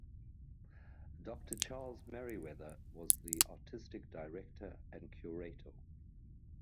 Doctor Charles Merewether was the Artistic Director and Curator.